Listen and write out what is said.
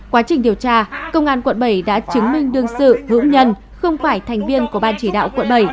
quá trình điều tra công an quận bảy đã chứng minh đương sự hữu nhân không phải thành viên của ban chỉ đạo quận bảy